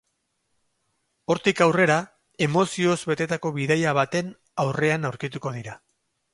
Hortik aurrera, emozioz betetako bidaia bate aurrean aurkituko dira.